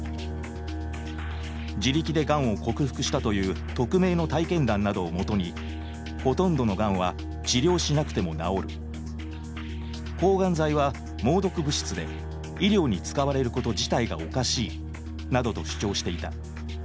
自力でがんを克服したという匿名の体験談などをもとに「抗がん剤は猛毒物質で医療に使われること自体がおかしい」などと主張していた。